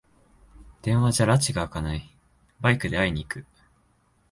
電話じゃらちがあかない、バイクで会いに行く